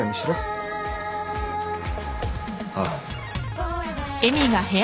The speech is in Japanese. ああ。